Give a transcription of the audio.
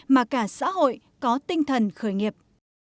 mà cả xã hội có tinh thần khởi nghiệp